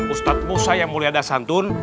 ustazmu saya mulyada santun